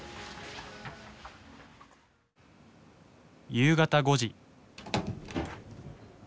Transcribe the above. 夕方５時。